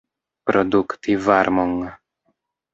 Produkti varmon.